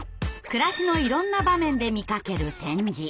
暮らしのいろんな場面で見かける「点字」。